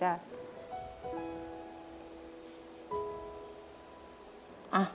ชะมัดครับ